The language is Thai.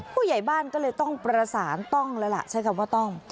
ผู้ใหญ่บ้านก็เลยต้องประสานต้องแล้วล่ะใช้คำว่าต้อง